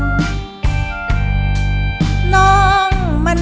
เพลงเพลง